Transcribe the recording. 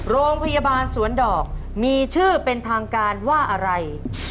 โรงพยาบาลสวนดอกมีชื่อเป็นทางการว่าอะไร